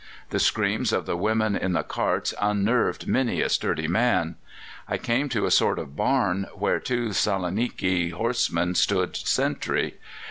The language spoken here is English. The screams of the women in the carts unnerved many a sturdy man. I came to a sort of barn, where two Saloniki horsemen stood sentry.